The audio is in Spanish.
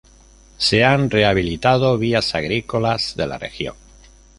Se han rehabilitado vías agrícolas de la región.